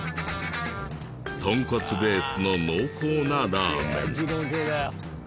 豚骨ベースの濃厚なラーメン。